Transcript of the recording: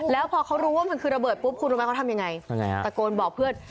แล้วพอเขารู้ว่ามันคือระเบิดปุ๊บคุณรู้ไหมเขาทำยังไงฮะตะโกนบอกเพื่อน